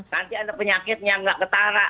nanti ada penyakit yang nggak ketara